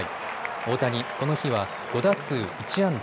大谷、この日は５打数１安打。